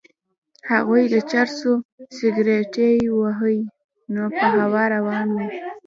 هغوی د چرسو سګرټی ووهي نو په هوا روان وي.